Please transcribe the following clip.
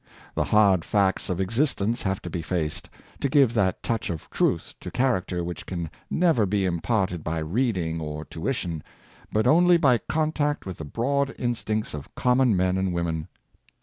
The hard facts of exist ence have to be faced, to give that touch of truth to character which can never be imparted by reading or tuition, but only by contact with the broad instincts of common men and women.